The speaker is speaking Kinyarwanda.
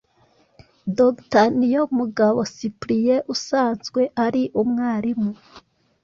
Dr Niyomugabo Cyprien usanzwe ari umwarimu